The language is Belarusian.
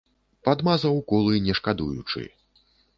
Падмазаў колы не шкадуючы.